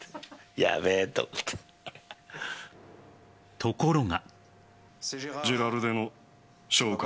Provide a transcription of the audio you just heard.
ところが。